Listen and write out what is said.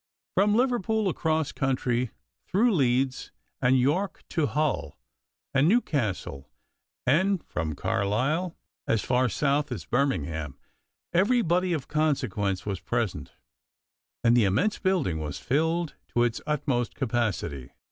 From Liverpool, across country through Leeds and York to Hull and New Castle, and from Carlisle, as far south as Birmingham, everybody of consequence was present, and the immense building was filled to its utmost capacity.